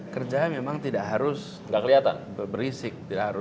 kerja memang tidak harus kelihatan berisik